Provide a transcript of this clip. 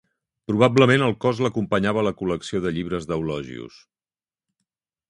Probablement al cos l'acompanyava la col·lecció de llibres d'Eulogius.